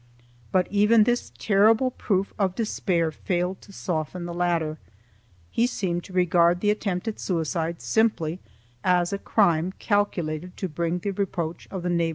But even this terrible proof of despair failed to soften his brother. He seemed to regard the attempt at suicide simply as a crime calculated to bring harm to religion.